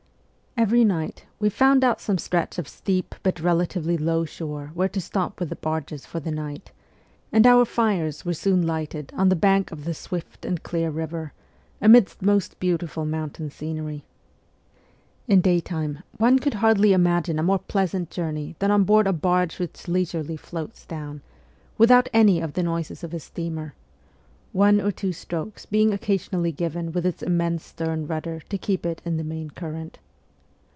Every night we found out some stretch of steep but relatively low shore where to stop with the barges for the night, and our fires were soon lighted on the bank of the swift and clear river, amidst most beautiful mountain scenery. In daytime, one could hardly imagine a more pleasant journey than on board a barge which leisurely floats down, without any of the noises of a steamer one or two strokes being occasionally given with its immense stern rudder to keep it in the main current.